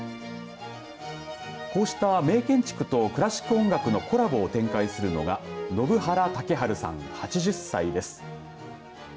こうした名建築とクラシック音楽のコラボを展開するのが延原武春さん８０歳です。